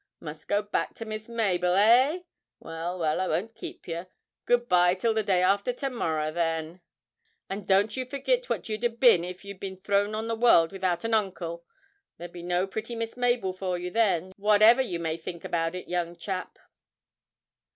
Must go back to Miss Mabel, hey? Well, well, I won't keep yer; good bye till the day after to morrow then, and don't you forgit what you'd 'a been if you'd been thrown on the world without an uncle there'd be no pretty Miss Mabel for you then, whatever you may think about it, young chap!'